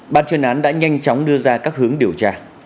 ban chuyên án đã nhanh chóng đưa ra các hướng điều tra